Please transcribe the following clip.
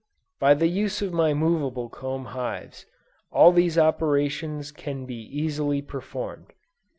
By the use of my movable comb hives, all these operations can be easily performed.